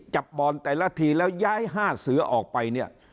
บอลแต่ละทีแล้วย้าย๕เสือออกไปเนี่ย